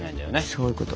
そういうこと。